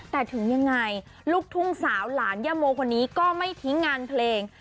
แต่ถึงยังไงลูกทุ่งสาวหลานย่าโมคนนี้ก็ไม่ทิ้งงานเพลง